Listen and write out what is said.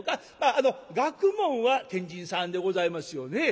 あの学問は天神さんでございますよね。